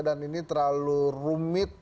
dan ini terlalu rumit